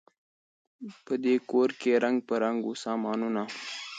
په دې کورکي رنګ په رنګ وه سامانونه